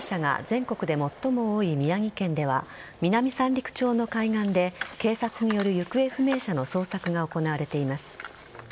死者や行方不明者が全国で最も多い宮城県では南三陸町の海岸で警察による行方不明者の捜索が行われています。